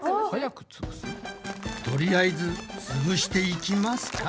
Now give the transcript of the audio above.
とりあえずつぶしていきますか。